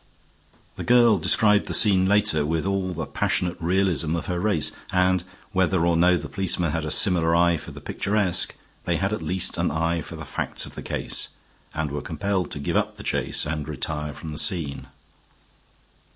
The girl described the scene later, with all the passionate realism of her race, and, whether or no the policemen had a similar eye for the picturesque, they had at least an eye for the facts of the case, and were compelled to give up the chase and retire from the scene.